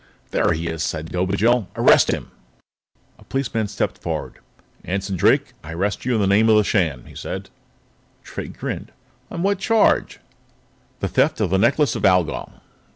"There he is," said Dobigel. "Arrest him!" A police officer stepped forward. "Anson Drake, I arrest you in the name of the Shan," he said. Drake grinned. "On what charge?" "The theft of the Necklace of Algol."